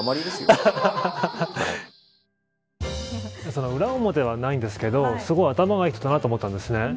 その裏表はないんですけどすごい頭がいい人だなと思ったんですね。